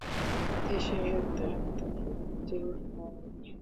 দেশে তাড়াতাড়ি যেয়ে ফল নাই।